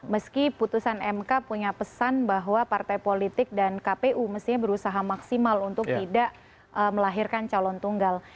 meski putusan mk punya pesan bahwa partai politik dan kpu mestinya berusaha maksimal untuk tidak melahirkan calon tunggal